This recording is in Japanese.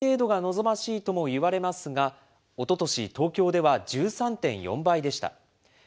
５倍程度が望ましいともいわれますが、おととし東京では１３．４倍でした。